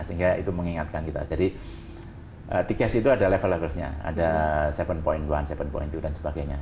sehingga itu mengingatkan kita jadi the case itu ada level levelnya ada tujuh satu tujuh dan sebagainya